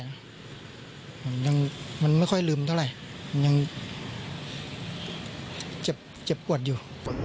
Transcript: มันยังไม่ค่อยลืมเท่าไรมันยังเจ็บปวดอยู่